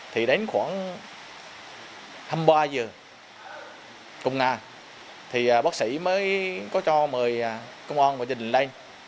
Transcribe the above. thì đến khoảng hai mươi ba giờ công nga thì bác sĩ mới có cho mời công an và dân định lên